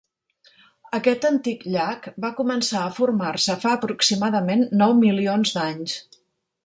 Aquest antic llac va començar a formar-se fa aproximadament nou milions d'anys.